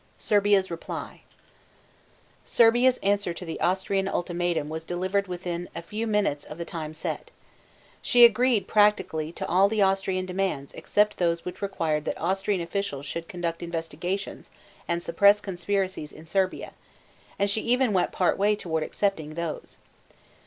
SERBIA'S REPLY. Serbia's answer to the Austrian ultimatum was delivered within a few minutes of the time set. She agreed, practically, to all the Austrian demands except those which required that Austrian officials should conduct investigations and suppress conspiracies in Serbia, and she even went part way toward accepting those.